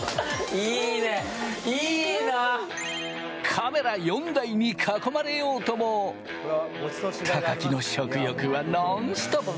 カメラ４台に囲まれようとも、高木の食欲はノンストップ。